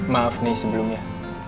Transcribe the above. maaf nih sebelumnya